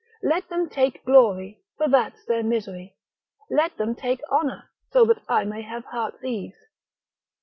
Let them take glory, for that's their misery; let them take honour, so that I may have heart's ease.